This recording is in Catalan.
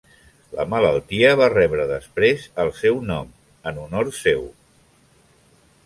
La malaltia va rebre després el seu nom, en honor seu.